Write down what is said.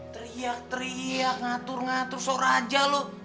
teriak teriak ngatur ngatur sok raja lo